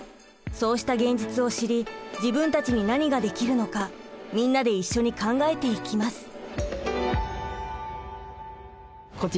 そうした現実を知り自分たちに何ができるのかみんなで一緒に考えていきます。